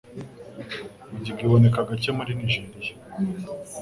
Mugiga iboneka gake muri Nigeria